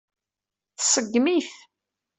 Tṣeggem-it.